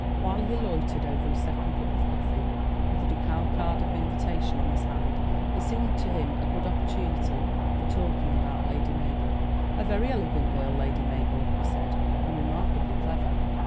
While he loitered over his second cup of coffee, with the ducal card of invitation in his hand, it seemed to him a good opportunity for talking about Lady Mabel. "A very elegant girl, Lady Mabel," he said; "and remarkably clever.